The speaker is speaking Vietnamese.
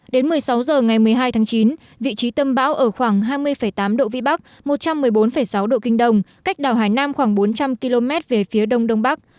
đến một mươi sáu h ngày một mươi hai tháng chín vị trí tâm bão ở khoảng hai mươi tám độ vĩ bắc một trăm một mươi bốn sáu độ kinh đông cách đảo hải nam khoảng bốn trăm linh km về phía đông đông bắc